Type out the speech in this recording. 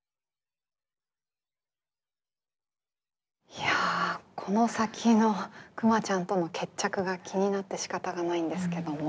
いやこの先のくまちゃんとの決着が気になってしかたがないんですけども。